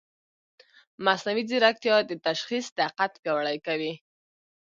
مصنوعي ځیرکتیا د تشخیص دقت پیاوړی کوي.